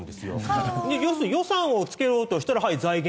要するに予算をつけようとしたら「はい財源」。